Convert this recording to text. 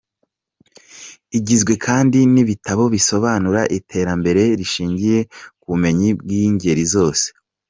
Igizwe kandi n’ibitabo bisobanura iterambere rishingiye ku bumenyi bw’ingeri zose.